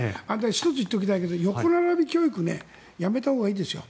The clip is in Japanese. １つ言っておきたいけど横並び教育をやめたほうがいいですよ。